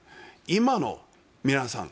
今の皆さん